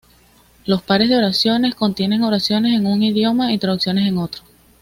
Los pares de oraciones contienen oraciones en un idioma y traducciones en otro.